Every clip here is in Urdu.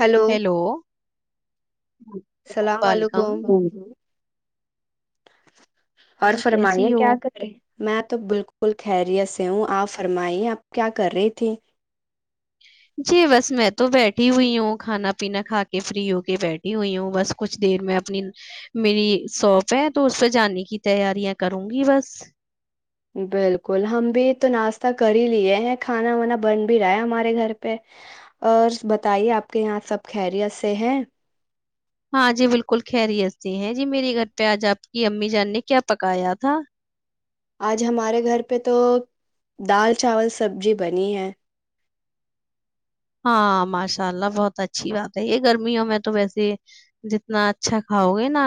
ہلو ہیلو اللام ویلکم علیکم [inaudible] اور جی کیسی فرمانییا ہو کیا کرے میں تو بالکل خیریت سے ہوں آ فرمائی اپ کیا کر رہی تھی جی بس میں تو بیٹھی ہوئی ہوں کھانا پینا کھا کے فری ہو کے بیٹھی ہوئی ہوں بس کچھ دیر میں اپنی میری شاپ ہے تو اس پہ جانے کی تیاریاں کروں گی بس [unintelligible] بالکل ہم بھی تو ناشتہ کر ہی لیے ہیں کھانا وانا بن بھی رہا ہے ہمارے گھر پہ اور بتائیے آپ کے یہاں سب خیریت سے ہیں ہاں جی بالکل خیریت سے ہیں جی میرے گھر پہ آج آپ کی امی جان نے کیا پکایا تھا آج ہمارے گھر پہ تو دال چاول سبزی بنی ہے ہاں ماشاء اللہ بہت اچھی بات ہے یہ گرمیوں میں تو ویسے جتنا اچھا کھاؤ گے نا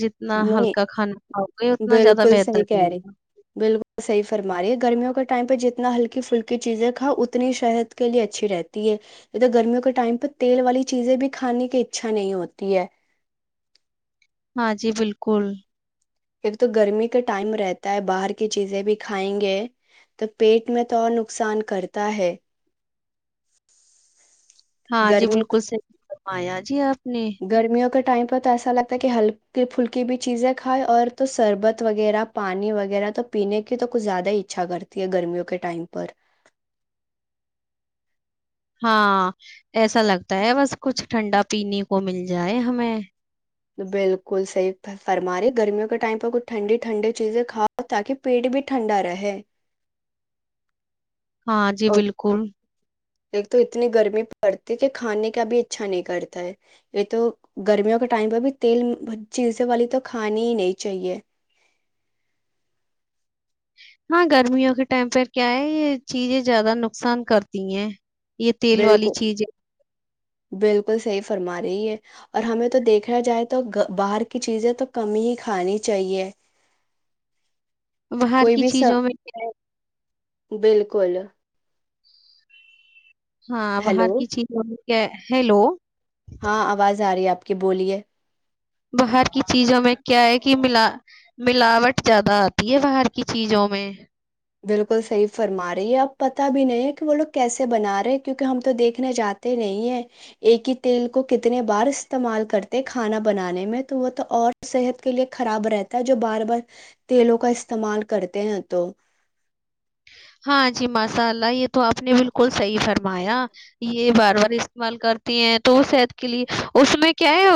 جتنا ہلکا کھانا کھاؤ گے نہیں اتنا زیادہ بالکل بہتر صحی کہہ رہے رہی گا بالکل صحیح فرما رہی ہے گرمیوں کے ٹائم پہ جتنا اتنا ہلکی فھلکی چیزیں کاؤ اتنی شحت کے لیے اچھی رہتی ہے ادھر گرمیوں کے ٹائم پہ تیل والی چیزیں بھی کھانے کی اچھا نہیں ہوتی ہے ہاں جی بالکل ایکب تو گرمی کا ٹائم رہتا ہے باہر کی چیزیں بھی کھائیں گے تو پیٹ میں تو اور نقصان کرتا ہے ہاں جی گرمیوں بالکل صحیح کرمایا جی آپ نے گرمیوں کے ٹائم تو ایسا لگتا ہے کہ ہلکی پھلکی بھی چیزیں کھائے اور تو شربت وغیرہ پانی وغیرہ تو پینے کی تو کچھ زیادہ ہی اچھا کرتی ہے گرمیوں کے ٹائم پر ہاں ایسا لگتا ہے بس کچھ ٹھنڈا پینے کو مل جائے ہمیں بالکل صحیح فرماریے گرمیوں کے ٹائم پر کچھ ٹھنڈی ٹھنڈی چیزیں کھاؤ تاکہ پیٹ بھی ٹھنڈا رہے ہاں جی اور بالکل ایک تو اتنی گرمی پڑتی ہے کہ کھانے کا ابھی اچھا نہیں کرتا ہے یہ تو گرمیوں کے ٹائم پہ بھی تیل چیزیں والی تو کھانی ہی نہیں چاہیے ہاں گرمیوں کے ٹائم پہ کیا ہے یہ چیزیں زیادہ نقصان کرتی ہیں یہ تیل والی بالکل چیز ہے بالکل صحی فرما رہی ہے اور ہمیں تو دیکھا جائے تو باہر کی چیزیں تو کم ہی کھانی چاہیے باہر کوئی کی بھی س چیزوں میں کیا بالکل ہاں باہر ہیلو کی چیزوں ہیلو ہاں آواز آ رہی ہے آپ کی بولیے باہر کی چیزوں میں کیا ہے کہ ملا ملاوٹ زیادہ آتی ہے باہر کی چیزوں میں بالکل صحیح فرما رہی ہے اب پتا بھی نہیں ہے کہ وہ لوگ کیسے بنا رہے ہیں کیونکہ ہم تو دیکھنے جاتے نہیں ہیں ایک ہی تیل کو کتنے بار استعمال کرتے کھانا بنانے میں تو وہ تو اور صحت کے لیے خراب رہتا ہے جو بار بار تیلوں کا استعمال کرتے ہیں تو ہاں جی ماشاء اللہ یہ تو آپ نے بالکل صحیح فرمایا یہ بار بار استعمال کرتی ہیں تو صحت کے لیے اس میں کیا ہے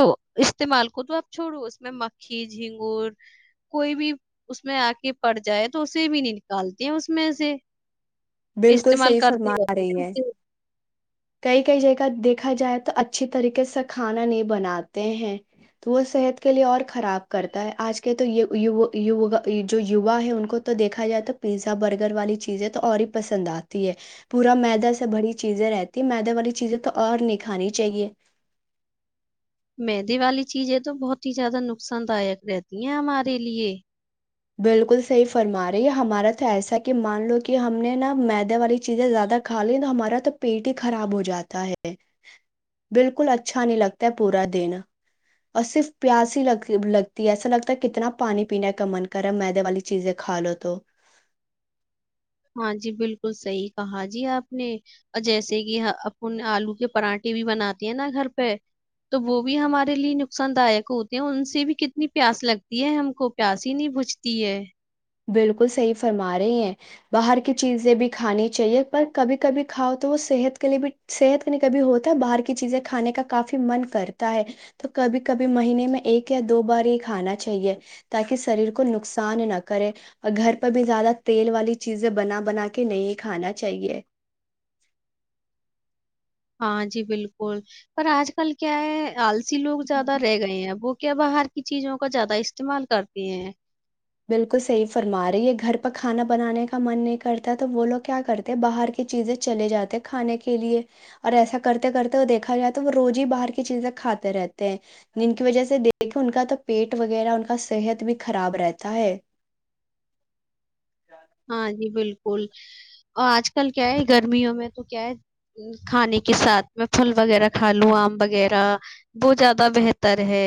استعمال کو تو آپ چھوڑو اس میں مکھی جھینگور کوئی بھی اس میں آک پڑ جائے تو اسے بھی نہیں نکالتی ہیں اس میں سے بالکل استعمال صحیح فرما کرتے رہی ہیں رہتے کئی کئی جگہ دیکھا جائے تو اچھی طریقے سے کھانا نہیں بناتے ہیں تو وہ صحت کے لیے اور خراب کرتا ہے آج کے تو جو یوا ہے ان کو تو دیکھا جائے تو پیزا برگر والی چیزیں تو اور ہی پسند آتی ہے پورا میدا سے بنی چیزیں رہتی میدہ والی چیزیں تو اور نہیں کھانی چاہیے مہندی والی چیزیں تو بہت ہی زیادہ نقصان دایق رہتی ہیں ہمارے لیے بالکل صحی فرما رہے ہے ہمارا تو ایسا کہ مان لو کہ ہم نے نا معدے والی چیزیں زیادہ کھا لی تو ہمارا تو پیٹ ہی خراب ہو جاتا ہے بالکل اچھا نہیں لگتا ہے پورا دن اور صرف پیاس ہی لگ لگتی ہے ایسا لگتا ہے کتنا پانی پینے کا من گرم میدے والی چیزیں کھا لو تو ہاں جی بالکل صحیح کہا جی آپ نے اور جیسے کہ اپن آلو کے پراٹھے بھی بناتے ہیں نا گھر پہ تو وہ بھی ہمارے لیے نقصان دائق ہوتے ہیں ان سے بھی کتنی پیاس لگتی ہے ہم کو پیاس ہی نہیں بھجتی ہے بالکل صحیح فرما رہی ہیں باہر کی چیزیں بھی کھانی چاہیے پر کبھی کبھی کھاؤ تو وہ صحت کے لیے بھی صحت کے نہیں کبھی ہوتا ہے باہر کی چیزیں کھانے کا کافی من کرتا ہے تو کبھی کبھی مہینے میں ایک یا دو بار ہی کھانا چاہیے تاکہ شریر کو نقصان نہ کرے اور گھر پر بھی زیادہ تیل والی چیزیں بنا بنا کے نہیں کھانا چاہیے ہاں جی بالکل پر آج کل کیا ہے آل ی لوگ زیادہ رہ گئے ہیں وہ کیا باہر کی چیزوں کا زیادہ استعمال کرتی ہیں بالکل صحیح فرما رہے یہ گھر پرہ کھانا بنانے کا من نہیں کرتا تو وہ لوگ کیا کرتے باہر کی چیزیں چلے جاتے کھانے کے لیے اور ایسا کرتے کرتے وہ دیکھا جائے تو وہ روز ہی باہر کی چیزیں کھاتے رہتے ہیں جن کی وجہ سے دیکھیں ان کا تو پیٹ وغیرہ ان کا صحت بھی خراب رہتا تا ہے ہاں جی بالکل اور آج کل کیا ہے گرمیوں میں تو کیا ہے کھانے کے ساتھ میں پھل وغیرہ کھا لوں آم وغیرہ بو زیادہ بہتر ہے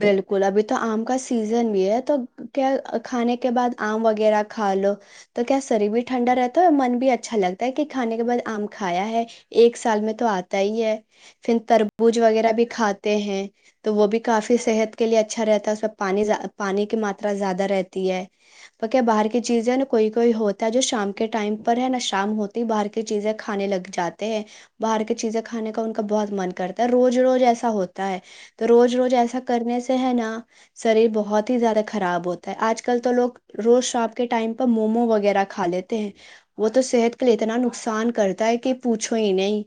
بالکل ابھی تو آم کا سیزن بھی ہے تو کیا کھانے کے بعد آم وغیرہ کھا لو تو کیا شریر بھی ٹھنڈا رہتا ہے من بھی اچھا لگتا ہے کہ کھانے کے بعد آم کھایا ہے ایک سال میں تو آتا ہی ہے پھر تربوز وغیرہ بھی کھاتے ہیں تو وہ بھی کافی صحت کے لیے اچھا رہتا ہے اس میں پانی پانی کی ماترا زیادہ رہتی ہے تو کیا باہر کی چیزیں نا کوئی کوئی ہوتا ہے جو شام کے ٹائم پر ہے نہ شام ہوتی باہر کی چیزیں کھانے لگ جاتے ہیں باہر کی چیزیں کھانے کا ان کا بہت من کرتا ہے روز روز ایسا ہوتا ہے تو روز روز ایسا کرنے سے ہے نا شریر بہت ہی زیادہ خراب ہوتا ہے آج کل تو لوگ روز شام کے ٹائم پر مومو وغیرہ کھا لیتے ہیں وہ تو صحت کے لیے اتنا نقصان کرتا ہے کہ پوچھو ہی نہیں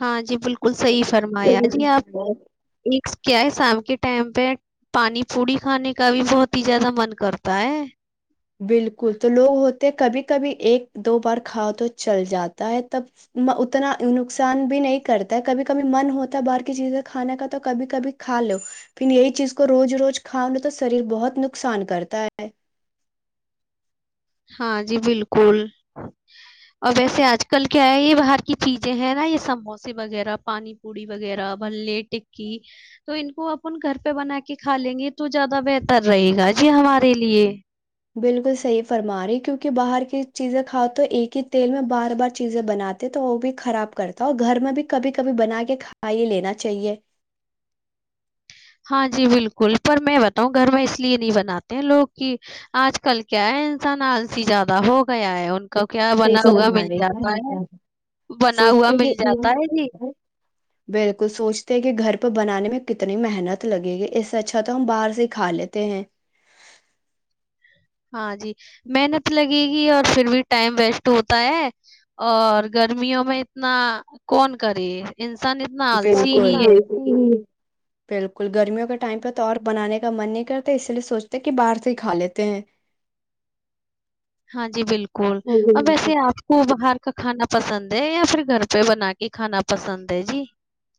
ہاں جی بالکل صحیح فرمایا جی آپ نے ایک کیا ہے شام کے ٹائم پہ پانی پوڑی کھانے کا بھی بہت ہی زیادہ من کرتا ہے بالکل تو لوگ ہوتے کبھی کبھی ایک دو بار کھاؤ تو چل جاتا ہے تب اتنا نقصان بھی نہیں کرتا ہے کبھی کبھی من ہوتا ہے باہر کی چیزیں کھانے کا تو کبھی کبھی کھا لو پھر ایک چیز کو روز روز کھا لو تو شریر بہت نقصان کرتا ہے ہاں جی بالکل اور ویسے آج کل کیا ہے یہ باہر کی چیزیں ہیں نا یہ سموسے وغیرہ پانی پوڑی وغیرہ ب تو ان کو اپن گھر پہ بنا کے کھا لیں گے تو زیادہ بہتر رہے گا جی ہمارے لیے بالکل صحیح فرما رہی کیوںکہ باہر کی چیزیں کھاؤ تو ایک ہی تیل میں بار بار چیزیں بناتے تو وہ بھی خراب کرتا اور گھر میں بھی کبھی کبھی بنا کے کھ ہی لینا چاہیے ہاں جی بالکل پر میں بتاؤں گھر میں اس لیے نہیں بناتے ہیں لوگ کہ آج کل کیا ہے انسان آلسی زیادہ ہوگا گیا ہے ان کا کیا صحیح بنا ہوا فرما مل رہی جاتا ہے بنا ہوا سوچتے کہ مل جاتا ہے جی بالکل سوچتے کہ گھر پہ بنانے میں کتنی محنت لگے گی اس سے اچھا تو ہم باہر سے کھا لیتے ہیں ہاں جی محنت لگے گی اور پھر بھی ٹائم ویسٹ ہوتا ہے اور گرمیوں میں اتنا کون کرے انسان اتنا آلسی بالکل ہی ہے بالکل گرمیوں کے ٹائم پہ تو اور بنانے کا من نہیں کرتا اسی لیے سوچتے کہ باہر سے ہی کھا لیتے ہیں ہاں جی بالکل اور ویسے آپ کو باہر کا کھانا پسند ہے یا پھر گھر پہ بنا کے کھانا پسند ہے جی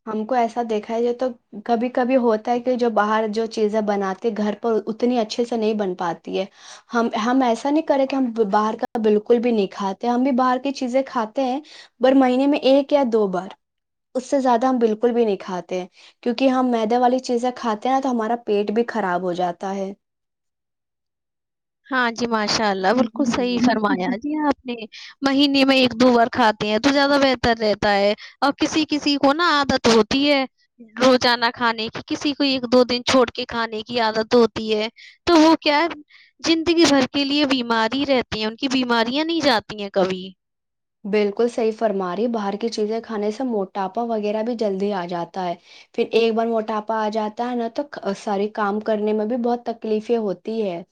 ہم کو ایسا دیکھا ہے یہ تو کبھی کبھی ہوتا ہے کہ جو باہر جو چیزیں بناتے گھر پر اتنی اچھے سے نہیں بن پاتی ہے ہم ہم ایسا نہیں کرے کہ ہم باہر کا بالکل بھی نہیں کھاتے ہم بھی باہر کی چیزیں کھاتے ہیں پر مہینے میں ایک یا دو بار اس سے زیادہ ہم بالکل بھی نہیں کاتے کیونکہ ہم معدے والی چیزیں کھاتے ہیں نا تو ہمارا پیٹ بھی خراب ہو جاتا ہے ہاں جی ماشاء اللہ بالکل صحیح ہ فرمایا جی آپ نے مہینے میں ایک دو بار کھاتے ہیں تو زیادہ بہتر رہتا ہے اور کسی کسی کو نا عادت ہوتی ہے روزانہ کھانے کی کسی کو ایک دو دن چھوڑ کے کھانے کی عادت ہوتی ہے تو وہ کیا ہے زندگی بھر کے لیے بیماری رہتے ہیں ان کی بیماریاں نہیں جاتی ہیں کبھی بالکل صحیح فرما رہی باہر کی چیزیں کھانے سے موٹاپا وغیرہ بھی جلدی آ جاتا ہے پھر ایک بار موٹاپا آ جاتا ہے ن تو ساری کام کرنے میں بھی بہت تکلیفیں ہوتی ہے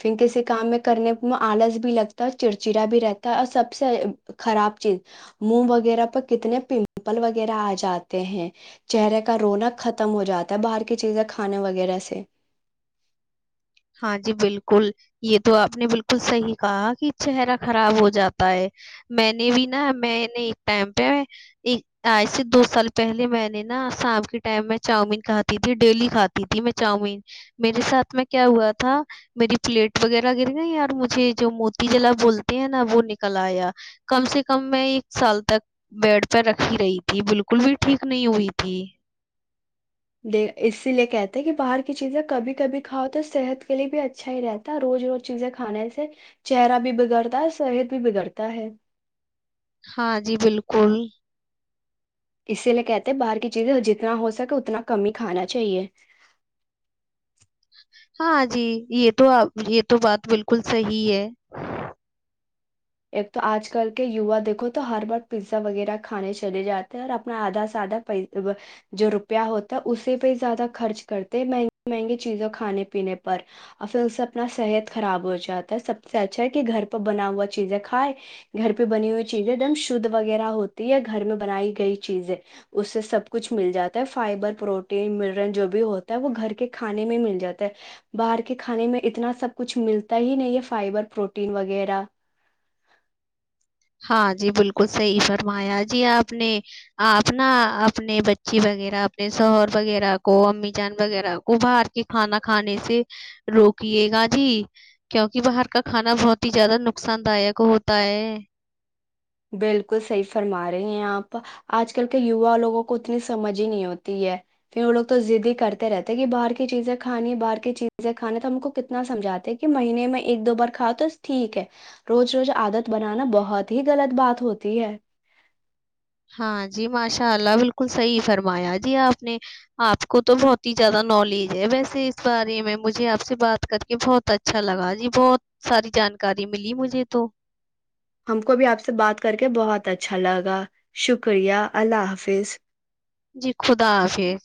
پھر کسی کام میں کرنے میں آلس بھی لگتا ہے چڑچڑا بھی رہتا ہے اور سب سب سے خراب چیز موہ وغیرہ پر کتنے پمپل وغیرہ آ جاتے ہیں چہرے کا روناق ختم ہو جاتا ہے باہر کی چیزیں کھانے وغیرہ سے ہاں جی بالکل یہ تو آپ نے بالکل صحیح کہا کہ چہرہ خراب ہو جاتا ہے میں نے بھی نا میں نے ایک ٹائم پہ آج سے دو سال پہلے میں نے نا شام کے ٹائم میں چاؤمین کھاتی تھی ڈیلی کھاتی تھی میں چاؤمین میرے ساتھ میں کیا ہوا تھا میری پلیٹ وغیرہ گر گئی یار مجھے جو موتی جلا بولتے ہیں نا وہ نکل آیا کم سے کم میں ایک سال تک بیڈ پی رکھی رہی تھی بالکل بھی ٹھیک نہیں ہوئی تھی د اسی لیے کہتے ہیں کہ باہر کی چیزیں کبھی کبھی کھاؤ تو صحت کے لیے بھی اچھا ہی رہتا ہے روز روز چیزیں کھانے سے چہرہ بھی بگڑتا ہے صحت بھی بگڑتا ہے ہاں جی بالکل اسی لیے کہتے ہیں باہر کی چیزیں جتنا ہو سکے اتنا کم ہی کھانا چاہیے ہاں جی یہ تو یہ تو بات بالکل صی ہے ایک تو آج کل کے یوا دیکھو تو ہر بار پیزا وغیرہ کھانے چلے جاتے ہیں اور اپنا آدھا سے آدھا پ جو روپیہ ہوتا ہے اسے پہ زیادہ خرچ کرتے ہیں مہنگی مہنگی چیزوں کھانے پینے پر اور پھر اس سے اپنا صحت خراب ہو جاتا ہے سب سے اچھا ہے کہ گھر پہ بنا ہوا چیزیں کھائے گھر پہ بنی ہوئی چیزیں ایک دم شدھ وغیرہ ہوتی ہے گھر میں بنائی گئی چیزیں اس سے سب کچھ مل جاتا ہے فائبر پروٹین ملن جو بھی ہوتا ہے وہ گھر کے کھانے میں مل جاتا ہے باہر کے کھانے میں اتنا سب کچھ ملتا ہی نہیں ہے فائبر پروٹین وغیرہ ہاں جی بالکل صحیح فرمایا جی آپ نے آپ نا اپنے بچی وغیرہ اپنے شوہر وغیرہ کو امی جان وغیرہ کو باہر کے کھانا کھانے سے روکے گا جی کیوںکہ باہر کا کھانا بہت ہی زیادہ نقصان دائک ہوتا ہے بالکل صحیح فرما رہے ہیں آپ آج کل کے یوا لوگوں کو اتنی سمجھ ہی نہیں ہوتی ہے پھر وہ لوگ تو ضدی کرتے رہتے کہ باہر کی چیزیں کھانی باہر کی چیزیں کھانی تو ہم کو کتنا سمجھاتے ہیں کہ مہینے میں ایک دو بار کھاؤ تو ٹھیک ہے روز روز عادت بنانا بہت ہی غلط بات ہوتی ہے ہاں جی ماشاء اللہ بالکل صحی فرمایا جی آپ نے آپ کو تو بہت ہی زیادہ نالج ہے ویسے اس بارے میں مجھے آپ سے بات کر کے بہت اچھا لگا جی بہت ساری جانکاری ملی مجھے تو ہم کو بھی آپ سے بات کر کے بہت اچھا لگا شکریہ اللہ حافظ جی خدا حافظ